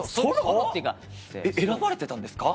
選ばれてたんですか？